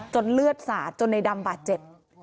เลือดสาดจนในดำบาดเจ็บ